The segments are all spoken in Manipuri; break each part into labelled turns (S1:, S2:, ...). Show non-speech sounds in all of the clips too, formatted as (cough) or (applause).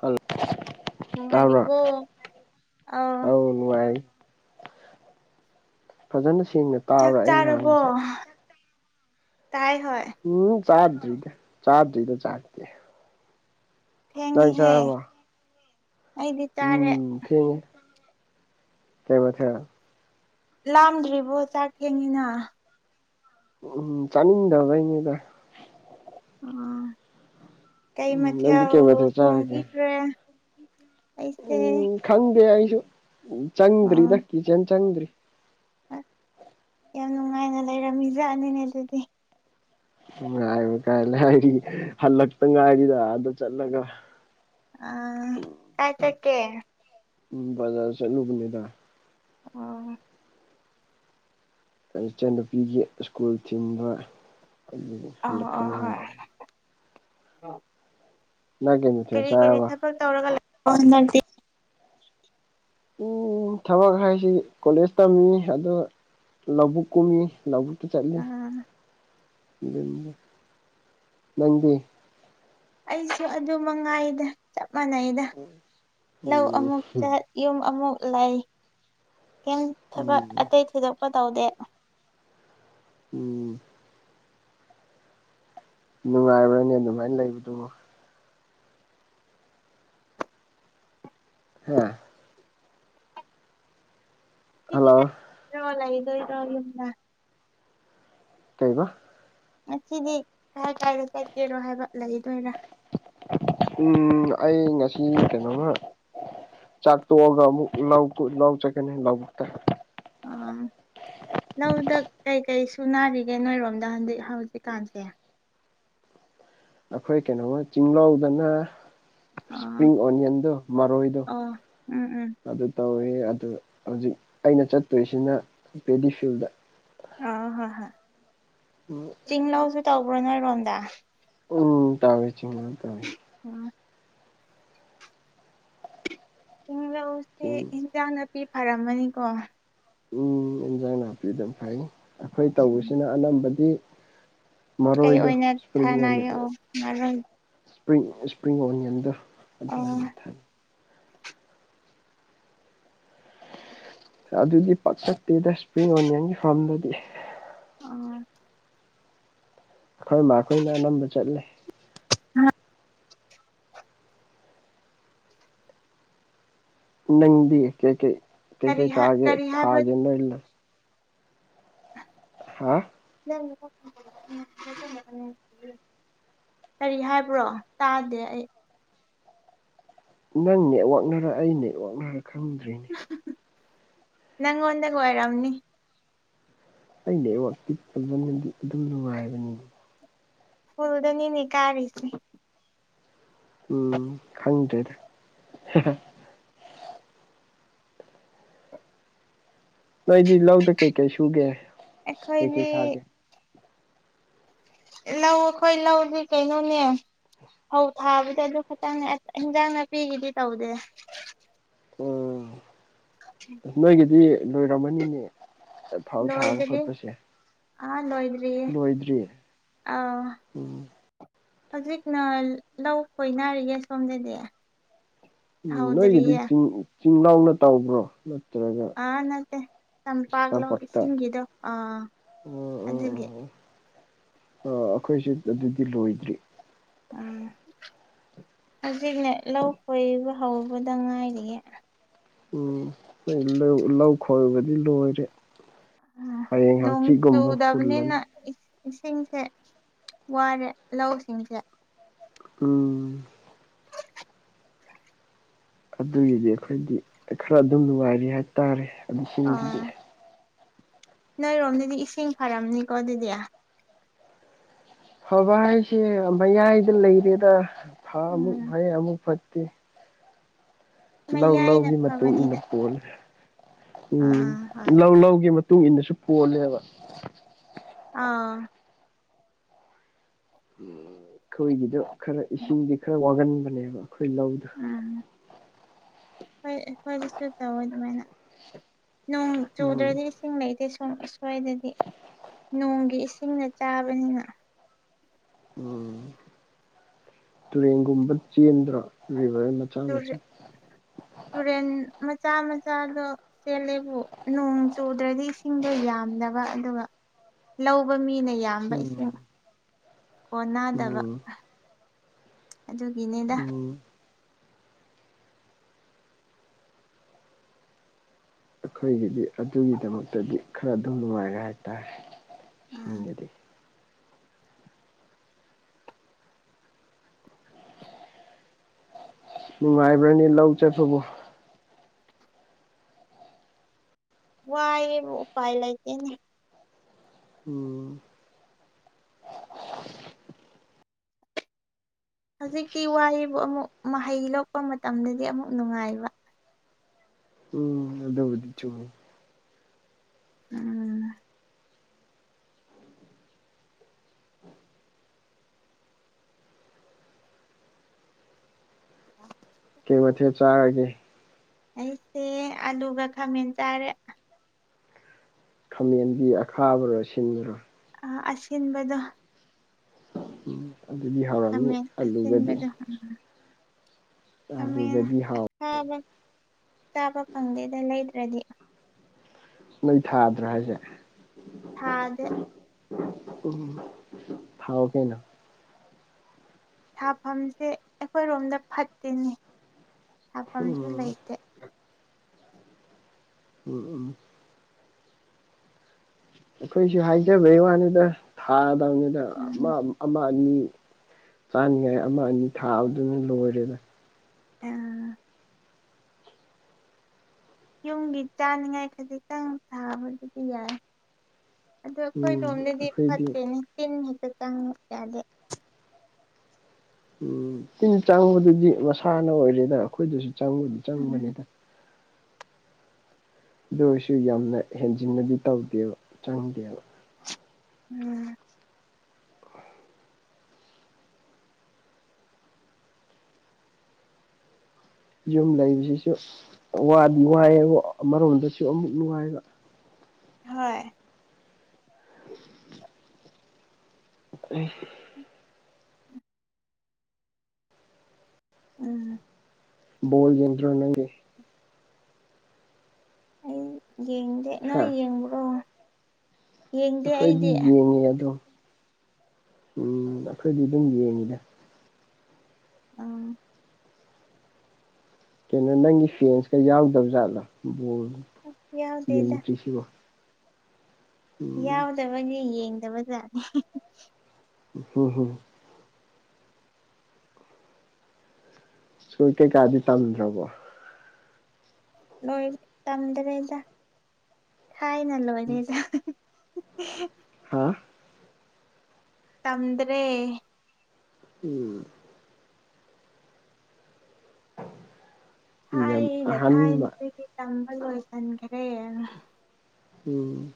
S1: ꯍꯜ ꯇꯥꯕ꯭ꯔꯥ?
S2: ꯅꯨꯡꯉꯥꯏꯔꯤꯕꯣ
S1: ꯑꯧ ꯅꯨꯡꯉꯥꯏꯔꯤ꯫ ꯐꯖꯅ ꯁꯦꯡꯅ
S2: ꯆꯥꯛ
S1: ꯇꯥꯕ꯭ꯔꯥ ꯑꯩ
S2: ꯆꯥꯔꯕꯣ?
S1: ꯉꯥꯡꯕꯁꯦ
S2: ꯇꯥꯏ ꯍꯣꯏ
S1: ꯎꯝ ꯆꯥꯗ꯭ꯔꯤꯗ ꯆꯥꯗ꯭ꯔꯤꯗ ꯆꯥꯛꯇꯤ꯫ ꯅꯪ
S2: ꯊꯦꯡꯉꯤꯍꯦ,
S1: ꯆꯥꯔꯕꯣ
S2: ꯑꯩꯗꯤ ꯆꯥꯔꯦ꯫
S1: ꯎꯝ ꯊꯦꯡꯉꯦ꯫ ꯀꯩ ꯃꯊꯦꯜ?
S2: ꯂꯥꯝꯗ꯭ꯔꯤꯕꯣ ꯆꯥꯛ ꯊꯦꯡꯉꯤꯅ꯫
S1: ꯎꯝ ꯆꯥꯅꯤꯡꯗꯕꯩꯅꯤꯗ꯫
S2: ꯎꯝ ꯀꯩ
S1: ꯎꯝ ꯅꯪꯗꯤ
S2: ꯃꯊꯦꯜ
S1: ꯀꯩ ꯃꯊꯦꯜ ꯆꯥꯔꯒꯦ
S2: ꯊꯣꯡꯕꯤꯈ꯭ꯔꯦ? ꯑꯩꯁꯦ
S1: ꯎꯝ ꯈꯪꯗꯦ ꯑꯩꯁꯨ
S2: ꯑꯥ
S1: ꯆꯪꯗ꯭ꯔꯤꯗ ꯀꯤꯆꯟ ꯆꯪꯗ꯭ꯔꯤ꯫
S2: (unintelligible) ꯌꯥꯝ ꯅꯨꯡꯉꯥꯏꯅ ꯂꯩꯔꯝꯃꯤ ꯖꯥꯠꯅꯤꯅꯦ ꯗꯨꯗꯤ꯫
S1: ꯅꯨꯡꯉꯥꯏꯕ ꯀꯥꯢ ꯂꯥꯏꯔꯤ ꯍꯜꯂꯛꯇ ꯉꯥꯏꯔꯤꯗ ꯑꯥꯗ ꯆꯠꯂꯒ꯫
S2: ꯑꯥ ꯀꯥꯏ ꯆꯠꯀꯦ?
S1: ꯎꯝ ꯕꯖꯥꯔ ꯆꯠꯂꯨꯕꯅꯤꯗ꯫
S2: ꯑꯣ
S1: ꯑꯩ ꯏꯆꯟꯅꯨꯄꯤꯒꯤ ꯁ꯭ꯀꯨꯜ ꯊꯤꯟꯕ (inaudible)
S2: ꯑꯧ
S1: ꯍꯜꯂꯛꯇ
S2: ꯑꯧ
S1: ꯉꯥꯏꯔꯤ꯫
S2: ꯍꯣꯏ
S1: ꯅꯥꯒꯤꯟ
S2: ꯀꯔꯤ ꯀꯔꯤ ꯊꯕꯛ ꯇꯧꯔꯒ ꯂꯩ (unintelligible) ꯕ꯭ꯔꯣ ꯅꯪꯗꯤ?
S1: (unintelligible) ꯊꯕꯛ ꯍꯥꯏꯁꯤ ꯀꯣꯂꯦꯖ ꯇꯝꯃꯤ ꯑꯗꯨꯒ ꯂꯧꯕꯨꯛ ꯀꯨꯝꯃꯤ ꯂꯧꯕꯨꯛ ꯆꯠꯂꯤ
S2: ꯑꯥ
S1: ꯑꯗꯨꯅꯤꯗ꯫ ꯅꯪꯗꯤ?
S2: ꯑꯩꯁꯨ ꯑꯗꯨ ꯃꯉꯥꯏꯗ ꯆꯞ ꯃꯥꯅꯩꯗ꯫
S1: ꯎꯝꯍꯝ
S2: ꯌꯨꯝ ꯑꯃꯨꯛ ꯂꯩ ꯀꯦꯟ ꯊꯕꯛ
S1: ꯎꯝ
S2: ꯑꯇꯩ ꯊꯣꯏꯗꯣꯛꯄ ꯇꯧꯗꯦ
S1: ꯎꯝ ꯅꯨꯡꯉꯥꯏꯕ꯭ꯔꯅꯦ ꯑꯗꯨꯃꯥꯏꯅ ꯂꯩꯕꯗꯨꯕꯣ ꯍꯥ ꯍꯜꯂꯣ
S2: (unintelligible) ꯂꯩꯗꯣꯏꯔꯣ ꯌꯨꯝꯗ
S1: ꯀꯩꯕ
S2: ꯉꯁꯤꯗꯤ ꯀꯥꯏ ꯀꯥꯏꯗ ꯆꯠꯀꯦꯔꯣ ꯍꯥꯏꯕ ꯂꯩꯗꯣꯏꯔꯥ
S1: ꯎꯝ ꯑꯩ ꯉꯁꯤ ꯀꯩꯅꯣꯉꯥ ꯆꯥꯛ ꯇꯣꯛ ꯑꯒ ꯑꯃꯨꯛ ꯂꯧꯀꯨ ꯂꯧ ꯆꯠꯀꯀꯤ ꯂꯧꯕꯨꯛꯇ
S2: ꯑꯥꯝ ꯂꯧꯗ ꯀꯩꯀꯩ ꯁꯨꯅꯥꯔꯤꯒꯦ ꯅꯣꯏꯔꯣꯝꯗ ꯍꯟꯗꯤꯛ ꯍꯧꯖꯤꯛꯀꯥꯟꯁꯦ
S1: ꯑꯩꯈꯣꯏ ꯀꯩꯅꯣꯃ ꯆꯤꯡꯂꯧꯗꯅ ꯏꯁꯄ꯭ꯔꯤꯡ
S2: ꯑꯣ
S1: ꯑꯣꯅꯤꯌꯟꯗꯨ ꯃꯔꯣꯏꯗꯣ
S2: ꯎꯝ ꯎꯝ
S1: ꯑꯗꯨ ꯇꯧꯋꯦ ꯑꯗꯨ ꯍꯧꯖꯤꯛ ꯑꯩꯅ ꯆꯠꯇꯣꯏꯁꯤꯅ ꯄꯦꯗꯤ ꯐꯤꯜꯗ
S2: ꯑꯥ ꯍꯣꯏ ꯍꯣꯏ
S1: (unintelligible)
S2: ꯆꯤꯡ ꯂꯧꯁꯨ ꯇꯧꯕ꯭ꯔꯣ ꯅꯣꯏꯔꯣꯝꯗ
S1: ꯎꯝ ꯇꯧꯋꯦ ꯆꯤꯡꯂꯧ ꯇꯧꯋꯦ
S2: (unintelligible) ꯆꯤꯡꯂꯧꯁꯦ
S1: ꯆꯤꯡ
S2: ꯏꯟꯖꯥꯡ ꯅꯥꯄꯤ ꯐꯔꯝꯃꯅꯤꯀꯣ
S1: ꯎꯝ ꯏꯟꯖꯥꯡ ꯅꯥꯄꯤ ꯑꯗꯨꯝ ꯐꯩ ꯑꯩꯈꯣꯏ ꯇꯧꯕꯁꯤꯅ ꯑꯅꯝꯕꯗꯤ
S2: ꯀꯩ
S1: ꯃꯔꯣꯏꯗꯣ
S2: ꯑꯣꯏꯅ
S1: ꯁꯄ꯭ꯔꯤꯡ
S2: ꯊꯥꯅꯒꯦ
S1: ꯑꯣꯅꯤꯌꯟ
S2: ꯑꯣ ꯉꯔꯣꯏ
S1: ꯏꯁ꯭ꯄꯔꯤꯡ ꯏꯁꯄ꯭ꯔꯤꯡ ꯑꯣꯅꯤꯌꯟꯗꯣ ꯑꯗꯨ
S2: ꯑꯣ
S1: ꯑꯣꯏꯅ ꯊꯝ ꯑꯗꯨꯗꯤ ꯄꯥꯛ ꯆꯠꯇꯦꯗ ꯏꯁꯄ꯭ꯔꯤꯡ ꯑꯣꯅꯤꯌꯟꯒꯤ ꯐꯥꯝꯗꯗꯤ
S2: ꯑꯥ
S1: ꯑꯩꯈꯣꯏ ꯃꯥ ꯈꯣꯏꯅ ꯑꯅꯝꯕ ꯆꯠꯂꯦ
S2: ꯍꯥ
S1: ꯅꯪꯗꯤ ꯀꯩ ꯀꯩ ꯀꯩ
S2: ꯀꯔꯤ
S1: ꯀꯩꯥ
S2: ꯍꯥꯏ
S1: ꯇꯥꯒꯦ
S2: ꯀꯔꯤ ꯍꯥꯏꯕ
S1: ꯊꯥꯒꯦ ꯅꯣꯏ ꯂꯝ ꯍꯥ
S2: ꯅꯪ (unintelligible) ꯀꯔꯤ ꯍꯥꯏꯕ꯭ꯔꯣ ꯇꯥꯗꯦ ꯑꯩ
S1: ꯅꯪ ꯅꯦꯠꯋꯥꯛꯅꯔ ꯑꯩ ꯅꯦꯠꯌꯥꯛꯅꯔ ꯈꯪꯗ꯭ꯔꯦꯅꯦ
S2: (unintelligible) ꯅꯪꯉꯣꯟꯗꯒ ꯑꯣꯏꯔꯝꯅꯤ
S1: ꯑꯩ ꯅꯦꯠꯋꯥꯥꯛꯇꯤ ꯐꯖꯅꯗꯤ ꯑꯗꯨꯝ ꯅꯨꯡꯉꯥꯏꯕꯅꯤ
S2: ꯐꯨꯜꯗꯅꯤꯅꯦ ꯀꯥꯔꯤꯖꯦ
S1: ꯎꯝ ꯈꯪꯗ꯭ꯔꯦꯗ ꯍꯥꯍꯥ ꯅꯣꯏꯗꯤ ꯂꯧꯗ ꯀꯩ ꯀꯩ ꯁꯨꯒꯦ ꯀꯩ
S2: ꯑꯩꯈꯣꯏꯗꯤ
S1: ꯀꯩ ꯊꯥꯒꯦ
S2: ꯂꯧ ꯑꯈꯣꯏ ꯂꯧꯗꯤ ꯀꯩꯅꯣꯅꯦ ꯐꯧ ꯊꯥꯕꯗꯤ ꯑꯗꯨ ꯈꯛꯇꯪꯅꯦ ꯑꯠ ꯍꯦꯟꯖꯥꯡ ꯅꯥꯄꯤꯒꯤꯗꯤ ꯇꯧꯗꯦ
S1: ꯎꯝ
S2: (unintelligible)
S1: ꯅꯣꯏꯒꯤꯗꯤ ꯂꯣꯏꯔꯝꯃꯅꯤꯅꯦ ꯑꯠ
S2: ꯂꯣꯏꯗꯔꯤ ꯑꯥ ꯂꯣꯏꯗ꯭ꯔꯤꯌꯦ
S1: ꯂꯣꯏꯗ꯭ꯔꯤ
S2: ꯑꯥꯎ
S1: ꯎꯝ
S2: ꯍꯧꯖꯤꯛꯅ ꯂꯧ ꯈꯣꯏꯅꯔꯤꯌꯦ ꯁꯣꯝꯗꯗꯤ
S1: ꯎꯝ ꯅꯣꯏꯒꯤꯗꯤ
S2: ꯍꯧꯗ꯭ꯔꯤꯌꯦ
S1: ꯆꯤꯡ ꯆꯤꯡꯂꯥꯥꯎꯅ ꯇꯧꯕ꯭ꯔꯣ ꯅꯠꯇ꯭ꯔꯒ
S2: ꯑꯥ ꯅꯠꯇꯦ ꯇꯝꯄꯥꯛ ꯂꯧ
S1: ꯇꯝꯄꯥꯛꯇ
S2: ꯏꯁꯤꯡꯒꯤꯗꯣ ꯑꯥ ꯑꯗꯨꯒꯤ
S1: ꯑꯥ ꯑꯈꯣꯏꯁꯨ ꯑꯗꯨꯗꯤ ꯂꯣꯏꯗ꯭ꯔꯤ
S2: ꯑꯥ ꯍꯧꯖꯤꯛꯅꯦ ꯂꯧ ꯈꯣꯏꯕ ꯍꯧꯕꯗ ꯉꯥꯏꯔꯤꯌꯦ
S1: ꯎꯝ ꯈꯣꯏ ꯂꯧ ꯂꯧ ꯈꯣꯏꯕꯗꯤ ꯂꯣꯏꯔꯦ
S2: ꯑꯥ
S1: ꯍꯌꯦꯡ ꯍꯪꯆꯤꯒꯨꯝꯕ ꯍꯨꯜꯂꯅꯤ
S2: ꯏꯁ ꯏꯁꯤꯡꯁꯦ ꯋꯥꯔꯦ ꯂꯧꯁꯤꯡꯁꯦ
S1: ꯎꯝ ꯑꯗꯨꯒꯤꯗꯤ ꯑꯈꯣꯏꯗꯤ ꯈꯔ ꯑꯗꯨꯝ ꯅꯨꯡꯉꯥꯏꯔꯤ ꯍꯥꯏꯇꯥꯔꯦ ꯏꯁꯤꯡꯒꯤꯗꯤ
S2: ꯑꯥ ꯅꯣꯏꯔꯣꯝꯗꯗꯤ ꯏꯁꯤꯡ ꯐꯔꯝꯅꯤꯀꯣ ꯑꯗꯨꯗꯤ
S1: ꯐꯕ ꯍꯥꯏꯁꯦ ꯃꯌꯥꯏꯗ ꯂꯩꯔꯦꯗ ꯊꯥ ꯑꯃꯨꯛ
S2: ꯎꯝ
S1: ꯐꯩ ꯑꯃꯨꯛ ꯐꯠꯇꯦ ꯂꯧ
S2: ꯃꯌꯥꯏꯅ
S1: ꯂꯧꯒꯤ ꯃꯇꯨꯡ ꯏꯟꯅ
S2: ꯐꯕꯅꯤꯗ
S1: ꯄꯣꯜꯂꯦ ꯎꯝ
S2: ꯑꯥ ꯍꯣꯏ
S1: ꯂꯧ ꯂꯧꯒꯤ ꯃꯇꯨꯡ ꯏꯟꯅꯁꯨ ꯄꯣꯜꯂꯦꯕ
S2: ꯑꯥ
S1: ꯈꯣꯏꯒꯤꯗꯣ ꯈꯔ ꯏꯁꯤꯡꯗꯤ ꯈꯔ ꯋꯥꯒꯟꯕꯅꯦꯕ ꯑꯩꯈꯣꯏ ꯂꯧꯗꯣ
S2: ꯎꯝ ꯍꯣꯏ ꯑꯩꯈꯣꯏꯒꯤꯁꯨ ꯇꯧꯋꯦ ꯗꯨꯃꯥꯏꯅ ꯅꯣꯡ
S1: ꯎꯝ
S2: ꯆꯨꯗ꯭ꯔꯗꯤ ꯏꯁꯤꯡ ꯂꯩꯇꯦ ꯁꯣꯝ ꯑꯁ꯭ꯋꯥꯏꯗꯗꯤ ꯅꯣꯡꯒꯤ ꯏꯁꯤꯡꯅ ꯆꯥꯕꯅꯤꯅ
S1: ꯎꯝ ꯇꯨꯔꯦꯟꯒꯨꯝꯕ ꯆꯦꯟꯗ꯭ꯔꯥ ꯔꯤꯕꯔ ꯅꯠ
S2: (unintelligible)
S1: (inaudible)
S2: ꯇꯨꯔꯦꯟ ꯃꯆꯥ ꯃꯆꯥꯗꯣ ꯆꯦꯜꯂꯦꯕꯨ ꯅꯣꯡ ꯆꯨꯗ꯭ꯔꯗꯤ ꯏꯁꯤꯡꯗꯣ ꯌꯥꯝꯗꯕ ꯑꯗꯨꯒ ꯂꯧꯕ ꯃꯤꯅ ꯌꯥꯝꯕ
S1: ꯎꯝ
S2: ꯏꯁꯤꯡ ꯀꯣꯟꯅꯥꯗꯕ
S1: ꯎꯝ
S2: ꯑꯗꯨꯒꯤꯅꯦꯗ
S1: ꯎꯝ ꯑꯈꯣꯏꯒꯤꯗꯤ ꯑꯗꯨꯒꯤꯗꯃꯛꯇꯗꯤ ꯈꯔ ꯑꯗꯨꯝ ꯅꯨꯡꯉꯥꯏꯔꯦ ꯍꯥꯏꯇꯥꯔꯦ
S2: ꯎꯝ
S1: ꯏꯁꯤꯡꯗꯗꯤ ꯅꯨꯡꯉꯥꯏꯕ꯭ꯔꯅꯤ ꯂꯧ ꯆꯠꯄꯕꯨ
S2: ꯋꯥꯏꯌꯦꯕꯨ ꯎꯄꯥꯏ ꯂꯩꯇꯦꯅꯦ
S1: ꯎꯝ
S2: ꯍꯧꯖꯤꯛꯇꯤ ꯋꯥꯏꯌꯦꯕꯨ ꯑꯃꯨꯛ ꯃꯍꯩ ꯂꯣꯛꯄ ꯃꯇꯝꯗꯗꯤ ꯑꯃꯨꯛ ꯅꯨꯡꯉꯥꯏꯕ
S1: ꯎꯝ ꯑꯗꯨꯕꯨꯗꯤ ꯆꯨꯝꯃꯤ
S2: ꯎꯝ (unintelligible)
S1: ꯀꯩ ꯃꯊꯦꯜ ꯆꯥꯔꯒꯦ
S2: ꯑꯩꯁꯦ ꯑꯂꯨꯒ ꯈꯥꯃꯦꯟ ꯆꯥꯔꯦ
S1: ꯈꯥꯃꯦꯟꯕꯤ ꯑꯈꯥꯕꯔꯣ ꯑꯁꯤꯟꯕꯔꯣ
S2: ꯑ ꯑꯁꯤꯟꯕꯗꯣ
S1: ꯎꯝ ꯑꯗꯨꯗꯤ ꯍꯥꯎꯔꯝꯅꯤ
S2: ꯈꯥꯃꯦꯟ
S1: ꯑꯂꯨꯒꯗꯤ
S2: ꯑꯁꯤꯟꯕꯗꯣ ꯈꯥꯃꯦꯟ
S1: ꯑꯂꯨꯒꯗꯤ ꯍꯥꯎ
S2: ꯑꯈꯥꯕ ꯆꯥꯕ ꯐꯪꯗꯦꯗ ꯂꯩꯗ꯭ꯔꯗꯤ
S1: ꯅꯣꯏ ꯊꯥꯗ꯭ꯔꯥ ꯍꯥꯏꯖꯦ
S2: ꯊꯥꯗꯦ
S1: ꯎꯝ ꯊꯥꯎ ꯀꯩꯅꯣ
S2: ꯊꯥꯐꯝꯁꯦ ꯑꯩꯈꯣꯏꯔꯣꯝꯗ ꯐꯠꯇꯦꯅꯦ ꯊꯥꯐꯝꯁꯨ
S1: ꯎꯝ
S2: ꯂꯩꯇꯦ
S1: ꯎꯝ ꯎꯝ ꯑꯩꯈꯣꯏꯁꯨ ꯍꯥꯏꯖꯕꯩ ꯋꯥꯅꯤꯗ ꯊꯥꯗꯅꯤꯗ ꯑꯃ
S2: ꯎꯝ
S1: ꯑꯃ ꯑꯅꯤ ꯆꯥꯅꯤꯉꯥꯏ ꯑꯃ ꯑꯅꯤ ꯊꯥꯕꯗꯨꯅ ꯂꯣꯏꯔꯦꯗ
S2: (unintelligible) ꯌꯨꯝꯒꯤ ꯆꯥꯅꯤꯡꯉꯥꯏ ꯈꯖꯤꯛꯇꯪ ꯊꯥꯕꯗꯨꯗꯤ ꯌꯥꯏ ꯑꯗꯨ ꯑꯩꯈꯣꯏ
S1: ꯎꯝ
S2: ꯂꯣꯝꯗꯗꯤ
S1: ꯑꯩꯈꯣꯏꯗꯤ
S2: ꯐꯠꯇꯦꯅꯦ ꯇꯤꯟ ꯍꯦꯛꯇ ꯆꯪꯉꯤ ꯌꯥꯗꯦ
S1: ꯎꯝ ꯇꯤꯟ ꯆꯪꯕꯗꯨꯗꯤ ꯃꯁꯥꯅ ꯑꯣꯏꯔꯦꯗ ꯑꯩꯈꯣꯏꯗꯁꯨ ꯆꯪꯕꯗꯤ
S2: ꯎꯝ
S1: ꯆꯪꯕꯅꯤꯗ ꯑꯗꯨ ꯑꯣꯏꯔꯁꯨ ꯌꯥꯝꯅ ꯍꯦꯟꯖꯤꯟꯅꯗꯤ ꯇꯧꯗꯦꯕ ꯆꯪꯗꯦꯕ
S2: ꯎꯝ
S1: ꯌꯨꯝ ꯂꯩꯕꯁꯤꯁꯨ ꯋꯥꯗꯤ ꯋꯥꯏꯑꯕꯣ ꯑꯃꯔꯣꯝꯗꯁꯨ ꯑꯃꯨꯛ ꯅꯨꯡꯉꯥꯏꯕ
S2: ꯍꯣꯏ
S1: (unintelligible)
S2: ꯎꯝ
S1: ꯕꯣꯜ ꯌꯦꯡꯗ꯭ꯔꯣ ꯅꯪꯗꯤ
S2: ꯑꯩ ꯌꯦꯡꯗꯦ ꯅꯣꯏ
S1: ꯍꯥ
S2: ꯌꯦꯡꯕ꯭ꯔꯣ ꯌꯦꯡꯗꯦ ꯑꯩꯗꯤ
S1: ꯑꯩꯈꯣꯏꯗꯤ ꯌꯦꯡꯉꯦ ꯑꯗꯨꯝ ꯎꯝ ꯑꯩꯈꯣꯏꯗꯤ ꯑꯗꯨꯝ ꯌꯦꯡꯉꯤꯗ
S2: ꯑꯝ
S1: ꯀꯩꯅꯣ ꯅꯪꯒꯤ ꯐꯦꯟꯁꯀ ꯌꯥꯎꯗꯕ ꯖꯥꯠꯂ ꯕꯣꯜ
S2: ꯌꯥꯎꯗꯦꯗ
S1: ꯌꯦꯡꯗ꯭ꯔꯤꯁꯤꯕꯣ ꯎꯝ
S2: ꯌꯥꯎꯗꯕꯒꯤ ꯌꯦꯡꯗꯕꯖꯥꯠꯅꯤ
S1: ꯍꯨꯝ ꯍꯨꯝ ꯅꯣꯏ ꯀꯩꯀꯥꯗꯤ ꯇꯝꯗ꯭ꯔꯕꯣ
S2: ꯂꯣꯏ ꯇꯝꯗꯔꯦꯗ ꯊꯥꯏꯅ ꯂꯣꯏꯔꯦꯗ (unintelligible)
S1: ꯍꯥ
S2: ꯇꯝꯗ꯭ꯔꯦ
S1: ꯎꯝ ꯌꯥꯝ
S2: ꯊꯥꯏꯅ
S1: ꯑꯍꯟ
S2: ꯊꯥꯏꯅ
S1: ꯃꯥ
S2: ꯗꯒꯤ ꯇꯝꯕ ꯂꯣꯏꯁꯟꯈ꯭ꯔꯦ
S1: ꯎꯝ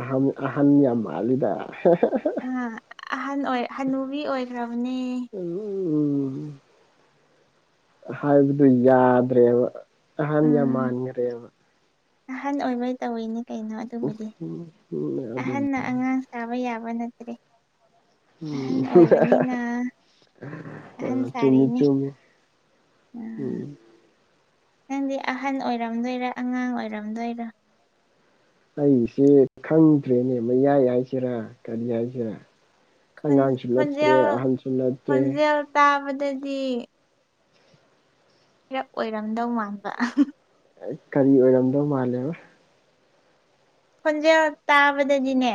S1: ꯑꯍꯥꯟ ꯑꯍꯟ ꯌꯥꯝ ꯃꯥꯜꯂꯤꯗ (unintelligible)
S2: ꯑ ꯑꯍꯟ ꯑꯣꯏ ꯍꯅꯨꯕꯤ ꯑꯣꯏꯈ꯭ꯔꯕꯅꯦ
S1: (unintelligible) ꯍꯥꯏꯕꯗꯨ ꯌꯥꯗ꯭ꯔꯦꯕ ꯑꯍꯟ ꯌꯥꯝ
S2: ꯎꯝ
S1: ꯃꯥꯟꯒ꯭ꯔꯦꯕ
S2: ꯑꯍꯟ ꯑꯣꯏꯕꯩ ꯇꯧꯋꯤꯅꯦ ꯀꯩꯅꯣ ꯑꯗꯨꯕꯨꯗꯤ
S1: ꯎꯝ ꯎꯝ ꯑꯗꯨꯅꯤ
S2: ꯑꯍꯟꯅ ꯑꯉꯥꯡ ꯁꯥꯕ ꯌꯥꯕ ꯅꯠꯇ꯭ꯔꯦ ꯑꯍꯟ
S1: ꯎꯝ
S2: ꯑꯣꯏꯕꯅꯤꯅ ꯑꯍꯟ
S1: (unintelligible) ꯑ ꯆꯨꯝꯃꯤ
S2: ꯁꯥꯔꯤꯅꯤ
S1: ꯆꯨꯝꯃꯤ ꯎꯝ
S2: ꯅꯪꯗꯤ ꯑꯍꯟ ꯑꯣꯏꯔꯝꯗꯣꯏꯔ ꯑꯉꯥꯡ ꯑꯣꯏꯔꯝꯗꯣꯏꯔ
S1: ꯑꯩꯁꯦ ꯈꯪꯗ꯭ꯔꯦꯅꯦ ꯃꯌꯥꯏ ꯍꯥꯏꯁꯤꯔꯥ ꯀꯔꯤ ꯍꯥꯏꯁꯤꯔꯥ
S2: ꯈꯣꯟ
S1: ꯑꯉꯥꯡꯁꯨ ꯅꯠꯇ꯭ꯔꯦ
S2: ꯈꯣꯟꯖꯦꯜ
S1: ꯑꯍꯟꯁꯨ ꯅꯠꯇ꯭ꯔꯦ
S2: ꯈꯣꯟꯖꯦꯜ ꯇꯥꯕꯗꯗꯤ ꯔꯞ ꯑꯣꯏꯔꯝꯗꯧ ꯃꯥꯟꯕ
S1: ꯑꯩ ꯀꯔꯤ ꯑꯣꯏꯔꯝꯗꯧ ꯃꯥꯜꯂꯦꯕ
S2: ꯈꯣꯟꯖꯦꯜ ꯇꯥꯕꯗꯗꯤꯅꯦ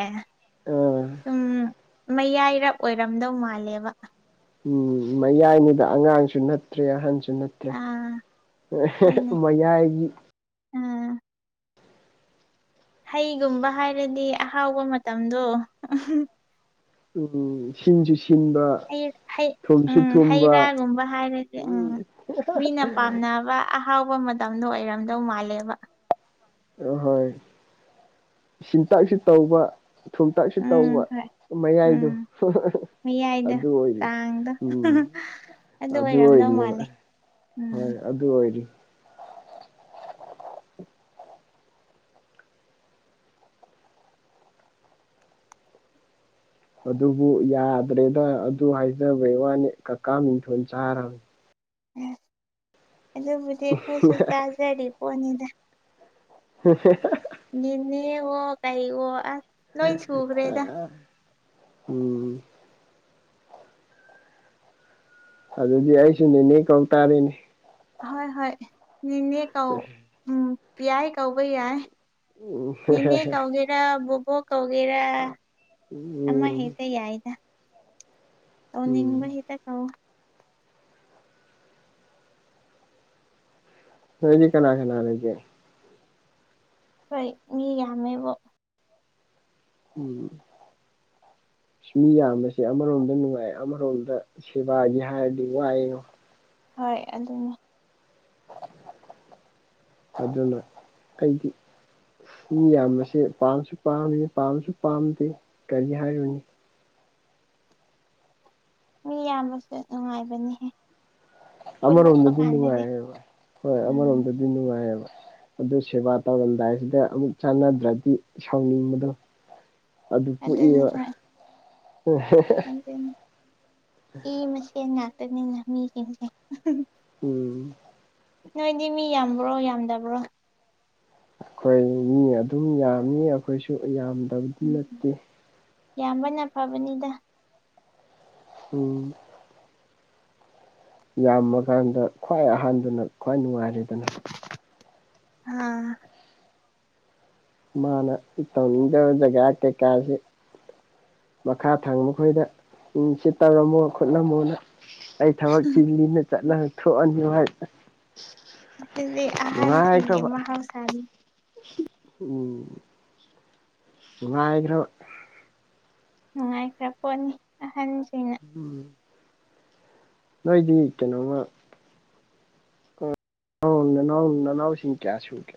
S1: ꯑꯥ
S2: ꯁꯨꯝ ꯃꯌꯥꯏꯔꯞ ꯑꯣꯏꯔꯝꯗꯧ ꯃꯥꯜꯂꯦꯕ
S1: ꯎꯝ ꯃꯌꯥꯏꯅꯤꯗ ꯑꯉꯥꯡꯁꯨ ꯅꯠꯇ꯭ꯔꯦ ꯑꯍꯟꯁꯨ ꯅꯠꯇ꯭ꯔꯦ
S2: ꯑꯥ ꯍꯣꯏꯅꯦ
S1: (unintelligible) ꯃꯌꯥꯏꯒꯤ
S2: ꯑꯥ ꯍꯩꯒꯨꯝꯕ ꯍꯥꯏꯔꯗꯤ ꯑꯍꯥꯎꯕ ꯃꯇꯝꯗꯣ (unintelligible)
S1: ꯎꯝ ꯁꯤꯟꯁꯨ ꯁꯤꯟꯕ
S2: ꯍꯩ ꯍꯩ
S1: ꯊꯨꯝꯁꯨ
S2: ꯎꯝ
S1: ꯊꯨꯝꯕ
S2: ꯍꯩꯔꯥꯒꯨꯝꯕ ꯍꯥꯏꯔꯗꯤ ꯎꯝ ꯃꯤꯅ ꯄꯥꯝꯅꯕ ꯑꯍꯥꯎꯕ ꯃꯇꯝꯗꯣ ꯑꯣꯏꯔꯝꯗꯧ ꯃꯥꯜꯂꯦꯕ
S1: ꯍꯣꯏ ꯁꯤꯟꯇꯛꯁꯨ ꯇꯧꯕ ꯊꯨꯝꯇꯛꯁꯨ ꯇꯧꯕ
S2: ꯎꯝ ꯍꯣꯏ
S1: ꯃꯌꯥꯏꯗꯣ
S2: ꯎꯝ ꯃꯌꯥꯏꯗꫭ
S1: ꯑꯗꯨ ꯑꯣꯏꯔꯤ
S2: ꯇꯥꯡꯗꫭ
S1: ꯎꯝ
S2: (unintelligible) ꯑꯗꯨ ꯑꯣꯏꯔꯝꯗꯧ ꯃꯥꯜꯂꯦ ꯎꯝ
S1: ꯍꯣꯏ ꯑꯗꯨ ꯑꯣꯏꯗꯤ ꯑꯗꯨꯕꯨ ꯌꯥꯗ꯭ꯔꯦꯗ ꯑꯗꯨ ꯍꯥꯏꯖꯕꯩ ꯋꯥꯅꯤ ꯀꯀꯥ ꯃꯤꯡꯊꯣꯟ ꯆꯥꯔꯝꯅꯦ
S2: (unintelligible) ꯑꯗꯨꯕꯨꯗꯤ ꯑꯩꯈꯣꯏꯁꯨ ꯆꯥꯖꯔꯤ ꯄꯣꯠꯅꯤꯗ
S1: (unintelligible)
S2: ꯌꯦꯟꯗꯦꯝꯋꫭ ꯀꯩꯑꫭ ꯑꯁ ꯂꯣꯏ ꯁꯨꯈ꯭ꯔꯦꯗ
S1: ꯎꯝ ꯑꯗꯨꯗꯤ ꯑꯩꯁꯨ ꯅꯦꯅꯦ ꯀꯧ ꯇꯥꯥꯔꯦꯅꯦ
S2: ꯍꯣꯏ ꯍꯣꯏ ꯅꯦꯅꯦ ꯀꯧ ꯎꯝ ꯌꯥꯏ ꯀꯧꯕ ꯌꯥꯏ
S1: ꯎꯝ
S2: ꯅꯦꯅꯦ ꯀꯧꯒꯦꯔ ꯕꯣꯕꯣꯛ ꯀꯧꯒꯦꯔ
S1: (unintelligible)
S2: ꯑꯃ ꯍꯦꯛꯇ ꯌꯥꯏꯗ
S1: ꯎꯝ
S2: ꯀꯧꯅꯤꯡꯕ ꯍꯦꯛꯇ ꯀꯧ
S1: ꯅꯣꯏꯗꯤ ꯀꯅꯥ ꯀꯅꯥ ꯂꯩꯒꯦ
S2: ꯑꯈꫭꯏ ꯃꯤ ꯌꯥꯝꯃꯦꯕꯣ
S1: ꯎꯝ ꯃꯤ ꯌꯥꯝꯕꯁꯦ ꯑꯃꯔꯣꯝꯗ ꯅꯨꯡꯉꯥꯏ ꯑꯃꯔꯣꯝꯗ ꯁꯦꯕꯥꯒꯤ ꯍꯥꯏꯔꯗꯤ ꯋꯥꯏꯉꯣ
S2: ꯍꯣꯏ ꯑꯗꯨꯅꯤ
S1: ꯑꯗꯨꯅ ꯑꯩꯗꯤ ꯃꯤ ꯌꯥꯝꯕꯁꯦ ꯄꯥꯝꯁꯨ ꯄꯥꯝꯃꯤ ꯄꯥꯝꯁꯨ ꯄꯥꯝꯗꯦ ꯀꯔꯤ ꯍꯥꯏꯔꯨꯅꯤ
S2: ꯃꯤ ꯌꯥꯝꯕꯁꯦ ꯅꯨꯡꯉꯥꯏꯕꯅꯤꯍꯦ ꯄꯨꯜꯂꯛꯄ
S1: ꯑꯃꯔꯣꯝꯗꯗꯤ
S2: ꯀꯥꯟꯗꯗꯤ
S1: ꯅꯨꯡꯉꯥꯏꯌꯦꯕ ꯍꯣꯏ
S2: ꯎꯝ
S1: ꯑꯃꯔꯣꯝꯗꯗꯤ ꯅꯨꯡꯉꯥꯏꯌꯦꯕ ꯑꯗꯨ ꯁꯦꯕꯥ ꯇꯧꯔꯝꯗꯥꯏꯁꯤꯗ ꯑꯃꯨꯛ ꯆꯥꯟꯅꯗ꯭ꯔꯗꯤ ꯁꯥꯎꯅꯤꯡꯕꯗꯣ ꯑꯗꯨ
S2: ꯑꯗꯨꯅꯤ
S1: ꯄꯣꯛꯏꯕ (unintelligible)
S2: ꯍꯣꯏꯅꯦ ꯏ ꯃꯁꯦꯟ ꯉꯥꯛꯇꯅꯤꯅ ꯃꯤꯁꯤꯡꯁꯦ (unintelligible)
S1: ꯎꯝ
S2: ꯅꯣꯏꯗꯤ ꯃꯤ ꯌꯥꯝꯕ꯭ꯔꯣ ꯌꯥꯝꯗꯕ꯭ꯔꯣ
S1: ꯑꯈꯣꯏ ꯃꯤ ꯑꯗꯨꯝ ꯌꯥꯝꯃꯤ ꯑꯈꯣꯏꯁꯨ ꯌꯥꯝꯗꯕꯗꯤ ꯅꯠꯇꯦ
S2: ꯌꯥꯝꯕꯅ ꯐꯕꯅꯤꯗ
S1: ꯎꯝ ꯌꯥꯝꯃꯀꯥꯟꯗ ꯈ꯭ꯋꯥꯏ ꯑꯍꯟꯗꯨꯅ ꯈ꯭ꯋꯥꯏ ꯅꯨꯡꯉꯥꯏꯔꯦꯗꯅ
S2: ꯑꯥ
S1: ꯃꯥꯅ ꯇꯧꯅꯤꯡꯗꯕ ꯖꯒꯥ ꯀꯩ ꯀꯥꯥꯖꯦ ꯃꯈꯥ ꯊꯪꯕ ꯈꯣꯏꯗ ꯎꯝ ꯁꯤ ꯇꯧꯔꯝꯃꯣ ꯈꯣꯠꯂꯝꯃꯣꯅ ꯑꯩ ꯊꯕꯛ ꯆꯤꯜꯂꯤꯅ ꯆꯠꯅ ꯊꯣꯛꯑꯅꯤ (unintelligible) ꯑꯁ
S2: ꯑꯗꯨꯗꯤ ꯑꯍꯟꯁꯤꯡꯒꯤ ꯃꯍꯧꯁꯥꯅꯤ
S1: (unintelligible) ꯎꯝ ꯅꯨꯡꯉꯥꯏꯈ꯭ꯔꯕ
S2: ꯅꯨꯡꯉꯥꯏꯈ꯭ꯔꯄꯣꯠꯅꯤ ꯑꯍꯟꯁꯤꯡꯅ
S1: ꯎꯝ ꯅꯣꯏꯗꯤ ꯀꯩꯅꯣꯝꯃ ꯑꯧ ꯅꯅꯥꯎ ꯅꯅꯥꯎꯁꯤꯡ ꯀꯌꯥ ꯁꯨꯒꯦ?